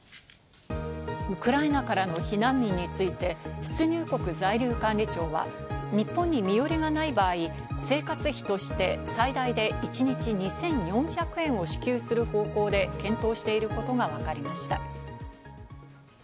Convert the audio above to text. ウクライナからの避難民について出入国在留管理庁は日本に身寄りがない場合、生活費として最大で一日２４００円を支給する方向で検討していることがわかりました。